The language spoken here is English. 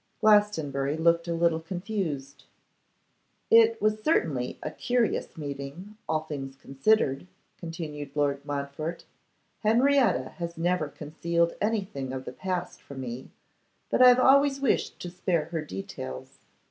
Glastonbury looked a little confused. 'It was certainly a curious meeting, all things considered,' continued Lord Montfort: 'Henrietta has never concealed anything of the past from me, but I have always wished to spare her details.